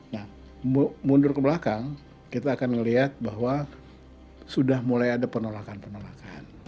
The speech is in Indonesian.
nah mundur ke belakang kita akan melihat bahwa sudah mulai ada penolakan penolakan